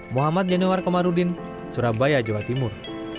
muhammad januar komarudin surabaya jawa timur